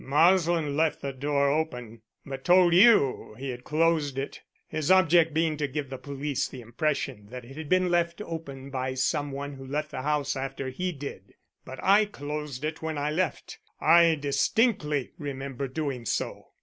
"Marsland left the door open, but told you he had closed it, his object being to give the police the impression that it had been left open by some one who left the house after he did. But I closed it when I left I distinctly remember doing so."